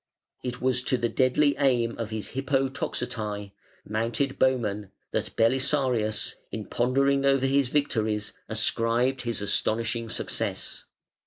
It was to the deadly aim of his Hippo toxotai (mounted bowmen) that Belisarius, in pondering over his victories, ascribed his antonishing success.